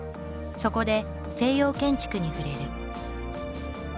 そこで西洋建築に触れる。